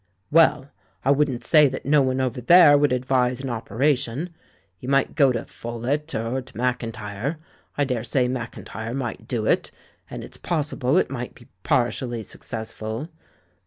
"Well, I wouldn't say that no one over there would advise an operation. You might go to Pholett, or to Maclntyre — I daresay JNIacIntjTe might do it — and it's possible it might be partially successful.